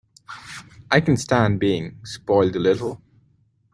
I can stand being spoiled a little.